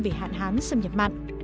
về hạn hán xâm nhập mặn